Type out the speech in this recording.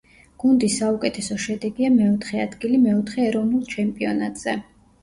გუნდის საუკეთესო შედეგია მეოთხე ადგილი მეოთხე ეროვნულ ჩემპიონატზე.